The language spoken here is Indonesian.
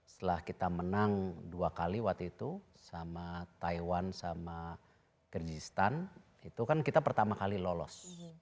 setelah kita menang dua kali waktu itu sama taiwan sama kyrgyzstan itu kan kita pertama kali lolos